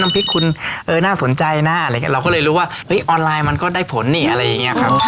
น้ำพริกคุณน่าสนใจนะเราก็เลยรู้ว่าออนไลน์มันก็ได้ผลเนี่ย